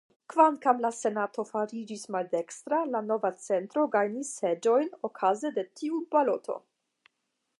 Kvankam la Senato fariĝis maldekstra, la Nova Centro gajnis seĝojn okaze de tiu baloto.